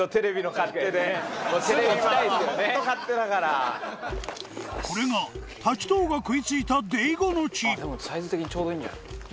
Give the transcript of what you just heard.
磴海譴滝藤が食いついたデイゴの木△でもサイズ的にちょうどいいんじゃない？